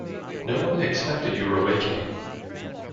No one expected your awakening.